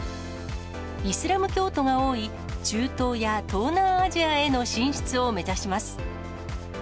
イスラム教徒が多い、中東や東南アジアへの進出を目指します。